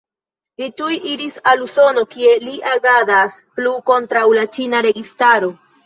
Li tuj iris al Usono, kie li agadas plu kontraŭ la ĉina registaro.